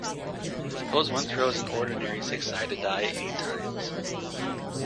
Suppose one throws an ordinary six-sided die eight times.